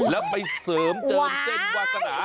แล้วไปเสริมเจิมเส้นวาสนา